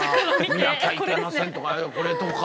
見なきゃいけませんとかこれとか。